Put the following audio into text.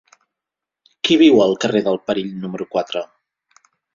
Qui viu al carrer del Perill número quatre?